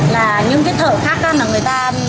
là những cái thở khắc là người ta